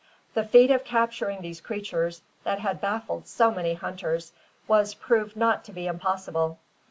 The feat of capturing these creatures, that had baffled so many hunters, was proved not to be impossible.